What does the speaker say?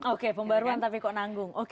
oke pembaruan tapi kok nanggung